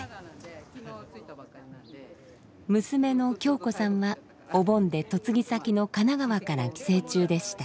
娘の京子さんはお盆で嫁ぎ先の神奈川から帰省中でした。